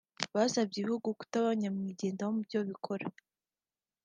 Basabye ibihugu kutaba nyamwigendaho mu byo bikora